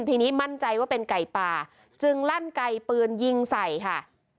ทีนี้มั่นใจว่าเป็นไก่ป่าจึงลั่นไก่ปืนยิงใส่ค่ะ